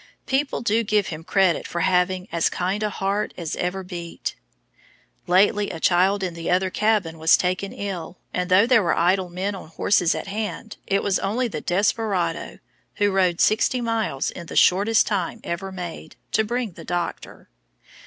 People do give him credit for having "as kind a heart as ever beat." Lately a child in the other cabin was taken ill, and though there were idle men and horses at hand, it was only the "desperado" who rode sixty miles in "the shortest time ever made" to bring the doctor.